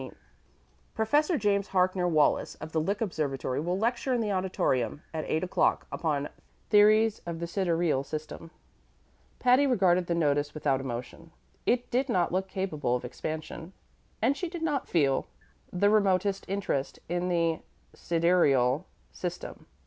Professor James Harkner Wallis of the Lick Observatory will lecture in the auditorium, at eight o'clock, upon "Theories of the Sidereal System." Patty regarded the notice without emotion. It did not look capable of expansion, and she did not feel the remotest interest in the sidereal system.